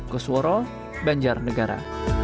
kusworo banjar negara